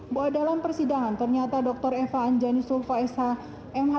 bahwa dalam persidangan ternyata dr eva anjani sulfa s h m h